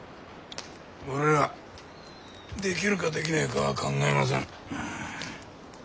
俺らぁできるかできねえかは考えません。